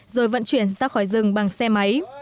rồi vận chuyển ra khỏi rừng bằng xe máy